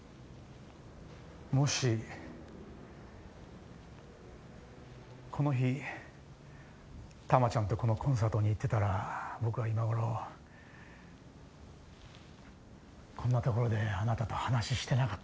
もしこの日珠ちゃんとこのコンサートに行ってたら僕は今頃こんな所であなたと話してなかったかもしれない。